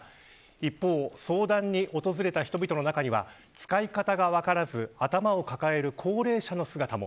一方、相談に訪れた人々の中には使い方が分からず頭を抱える高齢者の姿も。